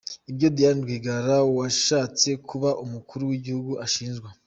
Ibyo Diane Rwigara washatse kuba Umukuru w’Igihugu ashinjwa.